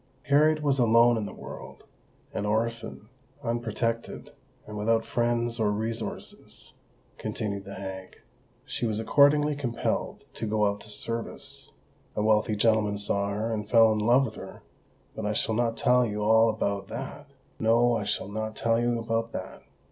"Harriet was alone in the world—an orphan—unprotected—and without friends or resources," continued the hag. "She was accordingly compelled to go out to service. A wealthy gentleman saw her, and fell in love with her—but I shall not tell you all about that! No—I shall not tell you about that!